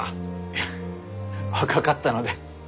いや若かったので。